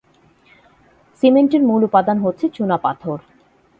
সিমেন্টের মূল উপাদান হচ্ছে চুনাপাথর।